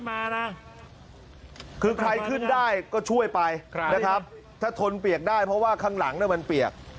มานะคือใครขึ้นได้ก็ช่วยไปนะครับถ้าทนเปียกได้เพราะว่าข้างหลังมันเปียก